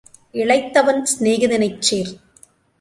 இளைத்தவன் சிநேகிதனைச் சேர்.